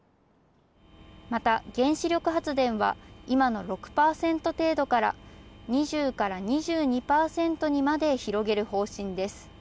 また原子力発電は、今の６％程度から２０％２２％にまで広げる方針です。